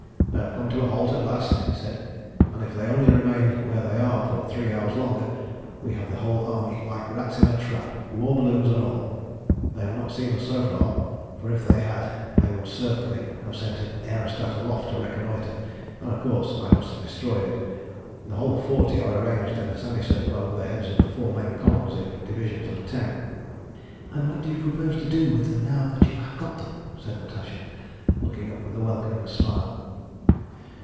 "They have come to a halt at last," he said. "And if they only remain where they are for three hours longer, we have the whole army like rats in a trap, war balloons and all. They have not seen us so far, for if they had they would certainly have sent an aerostat aloft to reconnoitre, and, of course, I must have destroyed it. The whole forty are arranged in a semicircle over the heads of the four main columns in divisions of ten." "And what do you propose to do with them now you have got them?" said Natasha, looking up with a welcoming smile.